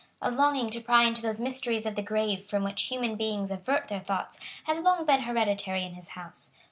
A longing to pry into those mysteries of the grave from which human beings avert their thoughts had long been hereditary in his house.